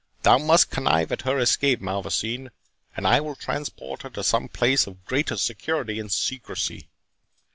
Thou must connive at her escape, Malvoisin, and I will transport her to some place of greater security and secrecy."